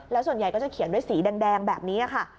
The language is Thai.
แล้วส่วนใหญ่ก็จะเขียนด้วยสีแดงแบบนี้ค่ะ